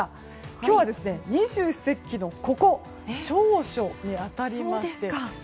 今日は二十四節気の小暑に当たります。